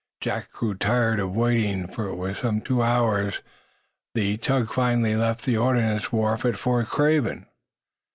Jack grew tired of waiting, for it was some two hours ere the tug finally left the ordinance wharf at Fort Craven.